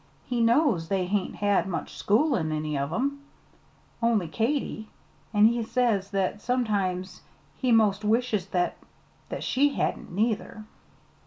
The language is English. He knows they hain't had much schooling any of 'em, only Katy, an' he says that sometimes he 'most wishes that that she hadn't, neither."